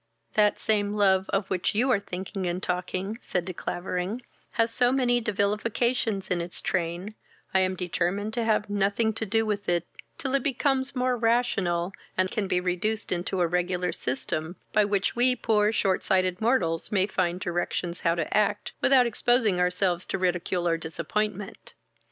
"That same love, of which you are thinking and talking, (said De Clavering,) has so many devilifications in its train, I am determined to have nothing to do with it, till it becomes more rational, and can be reduced into a regular system, by which we poor short sighted mortals may find directions how to act, without exposing ourselves to ridicule or disappointment.